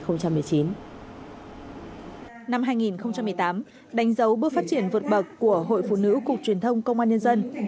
năm hai nghìn một mươi tám đánh dấu bước phát triển vượt bậc của hội phụ nữ cục truyền thông công an nhân dân